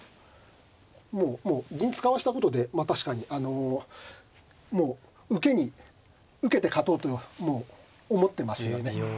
もうもう銀使わしたことで確かにあのもう受けに受けて勝とうともう思ってますよね。